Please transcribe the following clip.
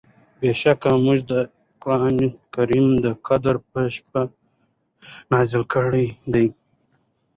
بېشکه مونږ دا قرآن د قدر په شپه نازل کړی دی